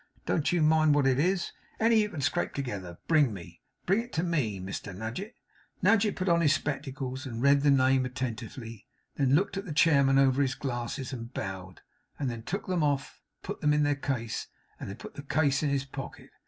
Don't you mind what it is. Any you can scrape together, bring me. Bring it to me, Mr Nadgett.' Nadgett put on his spectacles, and read the name attentively; then looked at the chairman over his glasses, and bowed; then took them off, and put them in their case; and then put the case in his pocket.